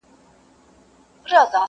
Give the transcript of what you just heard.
o د بل پر وټ درې درې وايي!